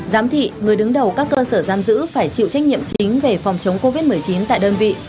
giám thị người đứng đầu các cơ sở giam giữ phải chịu trách nhiệm chính về phòng chống covid một mươi chín tại đơn vị